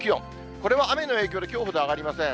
これは雨の影響できょうほど上がりません。